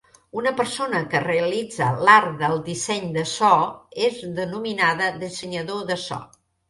Una persona que realitza l'art del disseny de so és denominada dissenyador de so.